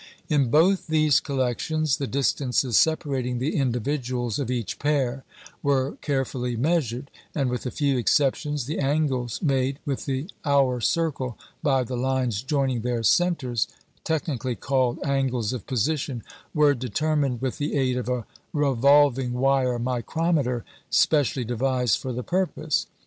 In both these collections the distances separating the individuals of each pair were carefully measured, and (with a few exceptions) the angles made with the hour circle by the lines joining their centres (technically called "angles of position") were determined with the aid of a "revolving wire micrometer," specially devised for the purpose.